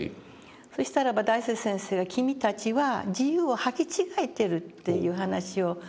そしたらば大拙先生が「君たちは自由を履き違えてる」という話をまずされましてね